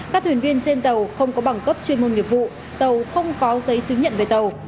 các thuyền viên trên tàu không có bằng cấp chuyên môn nghiệp vụ tàu không có giấy chứng nhận về tàu